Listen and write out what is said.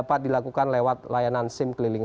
dapat dilakukan lewat layanan sim keliling